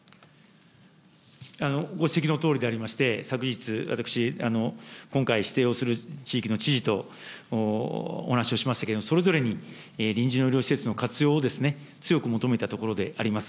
ご指摘のとおりでありまして、昨日、私、今回指定をする地域の知事と、お話をしましたけれども、それぞれに臨時の医療施設の活用を強く求めたところであります。